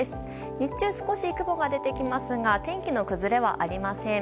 日中、少し雲が出てきますが天気の崩れはありません。